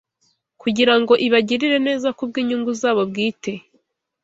kugira ngo ibagirire neza kubw’inyungu zabo bwite